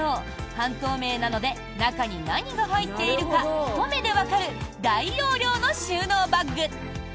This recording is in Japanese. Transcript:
半透明なので中に何が入っているかひと目でわかる大容量の収納バッグ。